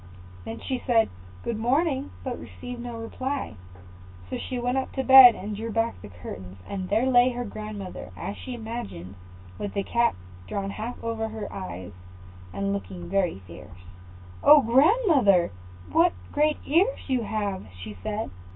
Then she said, "Good morning," but received no reply; so she went up to the bed, and drew back the curtains, and there lay her grandmother, as she imagined, with the cap drawn half over her eyes, and looking very fierce. "Oh, grandmother, what great ears you have!" she said.